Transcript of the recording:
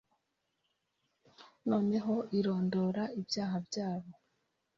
noneho irondora ibyaha byayo,